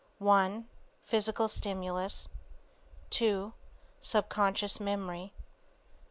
Physical Stimulus. 2. Subconscious memory.